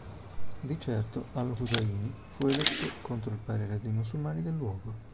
Di certo, al-Ḥusaynī fu eletto contro il parere dei musulmani del luogo.